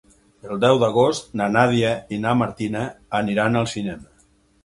El deu d'agost na Nàdia i na Martina aniran al cinema.